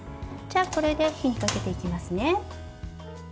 これで火にかけていきますね。